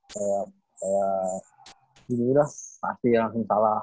kayak gini udah pasti langsung salah